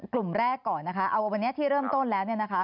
กลุ่มแรกนะครับอันนี้ที่เริ่มต้นแล้ว